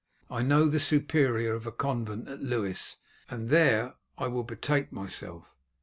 I know the superior of a convent at Lewes, and there I will betake myself.